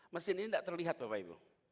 mesin ini tidak terlihat bapak ibu